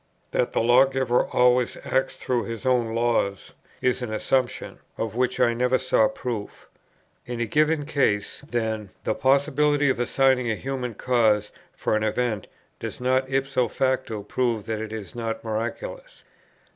That the Lawgiver always acts through His own laws, is an assumption, of which I never saw proof. In a given case, then, the possibility of assigning a human cause for an event does not ipso facto prove that it is not miraculous.